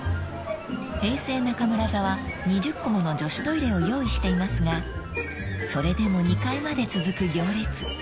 ［平成中村座は２０個もの女子トイレを用意していますがそれでも２階まで続く行列］